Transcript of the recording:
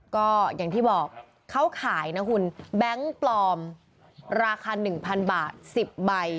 ก็อย่างที่บอกเขาขายนะคุณแบงค์ปลอมราคา๑๐๐บาท๑๐ใบ